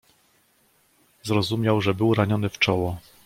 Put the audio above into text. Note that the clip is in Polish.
"Zrozumiał, że był raniony w czoło."